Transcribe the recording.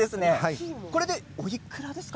これでおいくらですか？